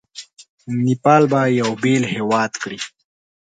نیپال به یو بېل هیواد کړي.